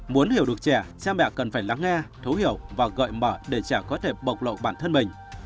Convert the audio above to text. muốn hiểu được trẻ cha mẹ cần phải lắng nghe thấu hiểu và gợi mở để trẻ có thể bộc lộ bản thân mình